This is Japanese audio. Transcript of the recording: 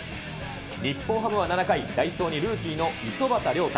日本ハムは７回、代走にルーキーの五十幡亮汰。